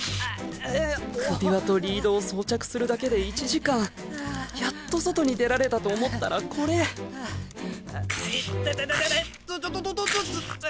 首輪とリードを装着するだけで１時間やっと外に出られたと思ったらコレいててててて。ととと。